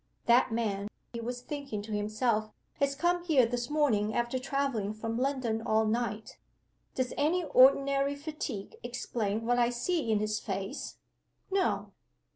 "That man," he was thinking to himself, "has come here this morning after traveling from London all night. Does any ordinary fatigue explain what I see in his face? No!"